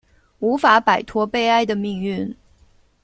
无法摆脱悲哀的命运